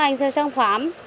ăn theo sản phẩm